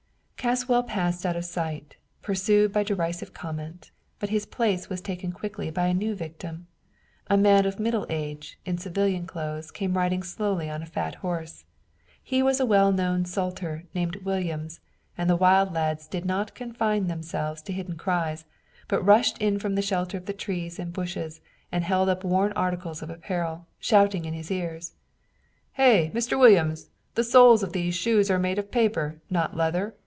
Caswell passed out of sight, pursued by derisive comment, but his place was taken quickly by a new victim. A man of middle age, in civilian clothes, came riding slowly on a fat horse. He was a well known sutler named Williams and the wild lads did not confine themselves to hidden cries, but rushed from the shelter of trees and bushes, and held up worn articles of apparel, shouting in his ears: "Hey, Mr. Williams! The soles of these shoes are made of paper, not leather.